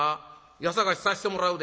家捜しさしてもらうで。